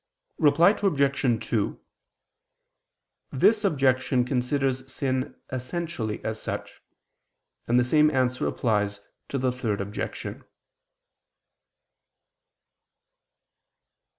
Reply Obj. 2: This objection considers sin essentially as such: and the same answer applies to the Third Objection.